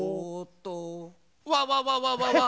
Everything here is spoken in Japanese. わわわわわわ！